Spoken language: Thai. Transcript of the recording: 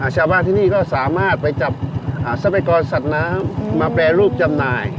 ชาวบ้านที่นี่ก็สามารถไปจับทรัพยากรสัตว์น้ำมาแปรรูปจำหน่าย